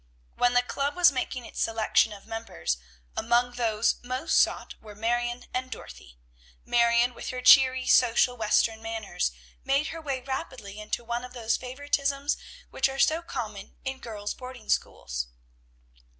When the club was making its selection of members, among those most sought were Marion and Dorothy. Marion, with her cheery, social Western manners, made her way rapidly into one of those favoritisms which are so common in girls' boarding schools.